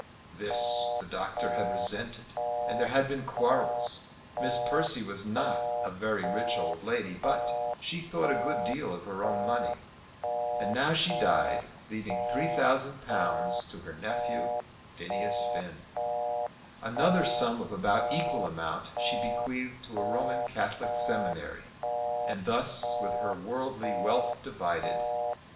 This the doctor had resented, and there had been quarrels. Miss Persse was not a very rich old lady, but she thought a good deal of her own money. And now she died, leaving £3,000 to her nephew Phineas Finn. Another sum of about equal amount she bequeathed to a Roman Catholic seminary; and thus was her worldly wealth divided.